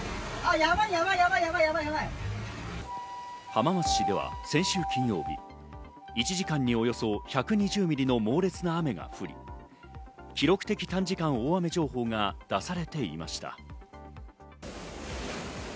浜松市では先週金曜日、１時間におよそ１２０ミリの猛烈な雨が降り、記録的短時間大雨情報が出されていました。